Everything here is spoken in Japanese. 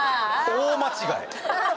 大間違え。